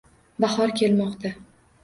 Bahor kelmoqda